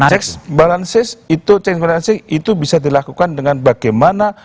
checks balances itu bisa dilakukan dengan bagaimana